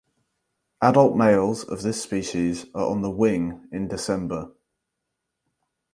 Adult males of this species are on the wing in December.